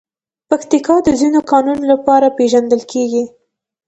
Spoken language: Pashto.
پکتیکا د ځینو کانونو لپاره پېژندل کېږي.